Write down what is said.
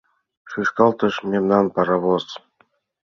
Шӱшкалтыш мемнан паровоз